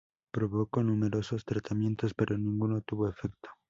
Probó con numerosos tratamientos, pero ninguno tuvo efecto.